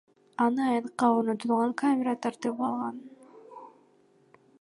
Аны аянтка орнотулган камера тартып алган.